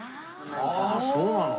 ああそうなの。